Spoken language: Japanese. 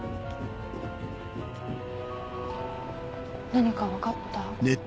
何か分かった？